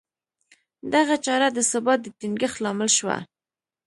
دغه چاره د ثبات د ټینګښت لامل شوه